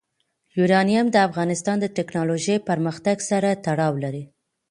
یورانیم د افغانستان د تکنالوژۍ پرمختګ سره تړاو لري.